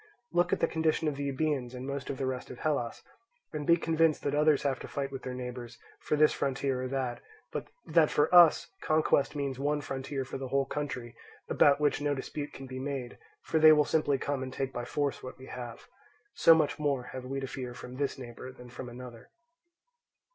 Look at the condition of the Euboeans and of most of the rest of Hellas, and be convinced that others have to fight with their neighbours for this frontier or that, but that for us conquest means one frontier for the whole country, about which no dispute can be made, for they will simply come and take by force what we have. So much more have we to fear from this neighbour than from another.